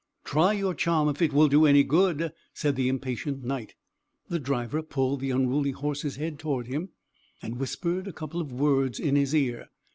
"Try your charm, if it will do any good!" said the impatient Knight. The driver pulled the unruly horse's head toward him, and whispered a couple of words in his ear.